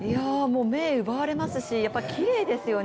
目を奪われますし、きれいですよね。